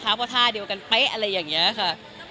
เพราะท่าเดียวกันไปอะไรอย่างเงี้ยค่ะ